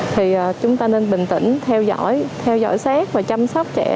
thì chúng ta nên bình tĩnh theo dõi theo dõi sát và chăm sóc trẻ